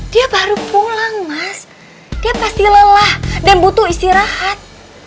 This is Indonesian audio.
dia baru pulang mas dia pasti lelah dan butuh istirahat